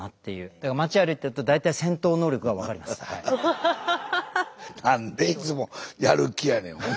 だから町歩いてると大体何でいつもやる気やねん。